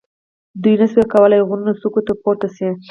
دوی نه شوای کولای غرونو څوکو ته پورته شي.